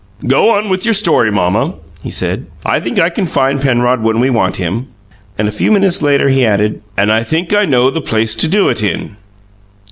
"Go on with your story, mamma," he said. "I think I can find Penrod when we want him." And a few minutes later he added, "And I think I know the place to do it in."